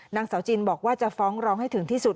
นางสาวจินบอกว่าจะฟ้องร้องให้ถึงที่สุด